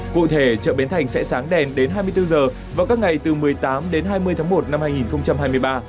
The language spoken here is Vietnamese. cụ thể chợ bến thành sẽ sáng đèn đến hai mươi bốn h vào các ngày từ một mươi tám đến hai mươi tháng một năm hai nghìn hai mươi ba